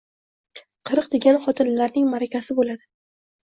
Qirq degan xotinlarning ma’rakasi bo‘ladi.